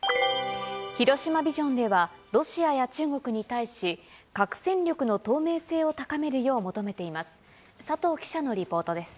広島ビジョンでは、ロシアや中国に対し、核戦力の透明性を高めるよう求めています。